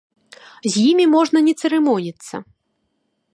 З імі можна не цырымоніцца.